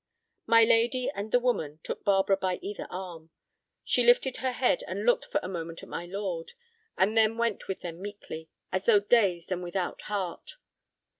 My lady and the woman took Barbara by either arm. She lifted her head and looked for a moment at my lord, and then went with them meekly, as though dazed and without heart.